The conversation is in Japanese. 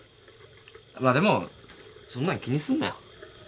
まあでもそんなの気にすんなよ。